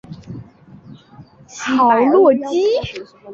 豪洛吉。